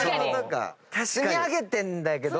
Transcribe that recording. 積み上げてんだけど。